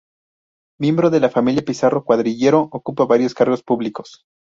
Miembro de familia Pizarro-Cuadrillero ocupa varios cargos públicos.